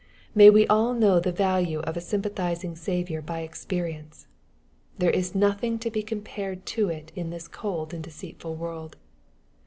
May we all know the value of a sympathizing Saviour by experience ! There is nothing to be compared to it in this cold and deceitful world.